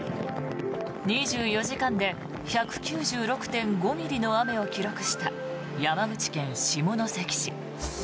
２４時間で１９６．５ミリの雨を記録した山口県下関市。